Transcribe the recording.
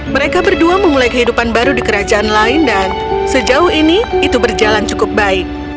mereka berdua memulai kehidupan baru di kerajaan lain dan sejauh ini itu berjalan cukup baik